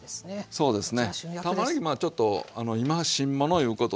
そうですね。